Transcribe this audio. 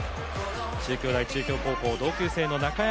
中京大中京高校同級生の中山